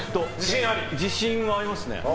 自信はありますね。